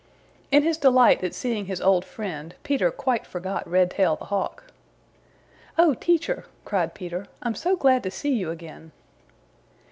In his delight at seeing this old friend, Peter quite forgot Redtail the Hawk. "Oh, Teacher!" cried Peter. "I'm so glad to see you again!"